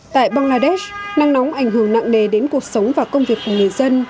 tại bangladesh nắng nóng ảnh hưởng nặng đề đến cuộc sống và công việc của người dân